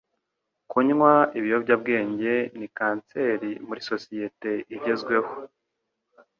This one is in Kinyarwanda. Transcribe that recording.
Kunywa ibiyobyabwenge ni kanseri muri sosiyete igezweho.